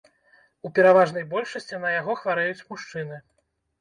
У пераважнай большасці на яго хварэюць мужчыны.